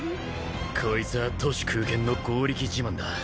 こいつは徒手空拳の強力自慢だ。